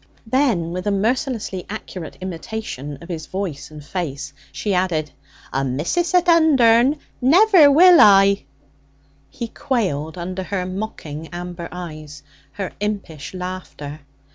Then, with a mercilessly accurate imitation of his voice and face, she added: 'A missus at Undern! Never will I!' He quailed under her mocking amber eyes, her impish laughter.